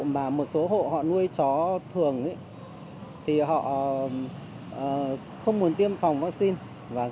mà một số hộ họ nuôi chó thường thì họ không muốn tiêm phòng vaccine